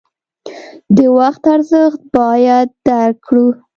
د وخت ارزښت باید درک کړو.